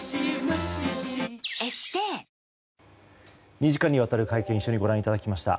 ２時間にわたる会見を一緒にご覧いただきました。